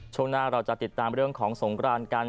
ช่วงหน้าเราจะติดตามเรื่องของสงกรานกัน